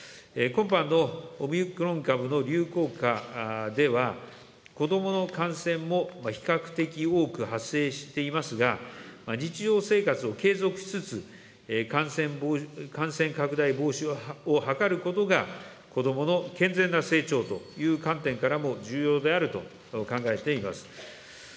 今般のオミクロン株の流行下では、子どもの感染も比較的多く発生していますが、日常生活を継続しつつ、感染拡大防止を図ることが、子どもの健全な成長という観点からも重要であると考えています。